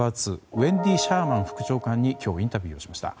ウェンディ・シャーマン副長官に今日、インタビューしました。